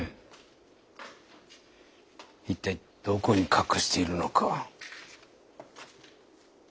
一体どこに隠しているのか。